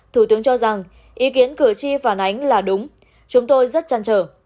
thủ tướng cho rằng ý kiến cử tri phản ánh là đúng chúng tôi rất chăn trở